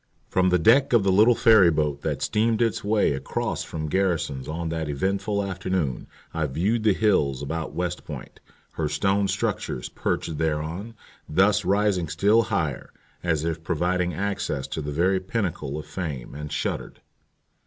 From the deck of the little ferry boat that steamed its way across from Garrison's on that eventful afternoon I viewed the hills about West Point, her stone structures perched thereon, thus rising still higher, as if providing access to the very pinnacle of fame, and shuddered.